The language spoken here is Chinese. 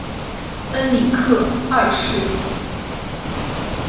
恩里克二世。